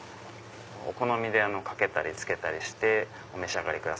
お好みでかけたりつけたりしてお召し上がりください。